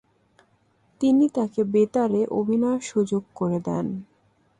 তিনি তাকে বেতারে অভিনয়ের সুযোগ করে দেন।